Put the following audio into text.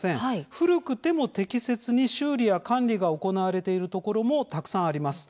古くても適切に修理や管理が行われているところもたくさんあります。